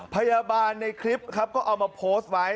พยาบาลในคลิปครับก็เอามาโพสต์ไว้